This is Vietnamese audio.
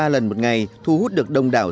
ba lần một ngày thu hút được đông đảo